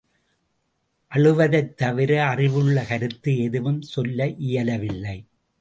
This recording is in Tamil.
அழுவதைத் தவிர அறிவுள்ள கருத்து எதுவும் சொல்ல இயலவில்லை.